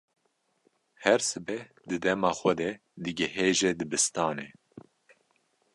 Her sibeh di dema xwe de digihêje dibistanê.